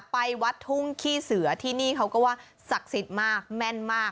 ไปวัดทุ่งขี้เสือที่นี่เขาก็ว่าศักดิ์สิทธิ์มากแม่นมาก